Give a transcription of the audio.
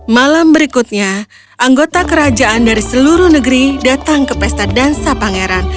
malam berikutnya anggota kerajaan dari seluruh negeri datang ke pesta dansa pangeran